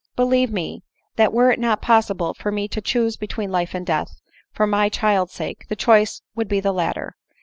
"Believe me, that were it possible for me to choose between life and death, for my child's sake, the choice would be the latter.